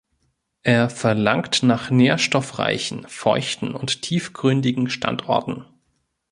Er verlangt nach nährstoffreichen, feuchten und tiefgründigen Standorten.